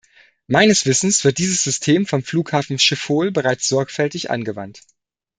Meines Wissens wird dieses System vom Flughafen Schiphol bereits sorgfältig angewandt.